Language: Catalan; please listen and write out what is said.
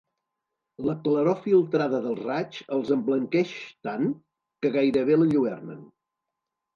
La claror filtrada dels raigs els emblanqueix tant que gairebé l'enlluernen.